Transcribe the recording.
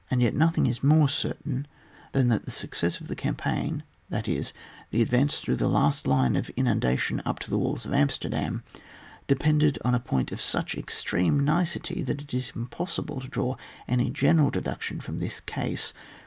yet nothing is more certain than that the success of the campaign, that is, the advance through the last line of in undation up to the walls of Amsterdam depended on a point of such extreme nicety that it is impossible to draw any general deduction from this case.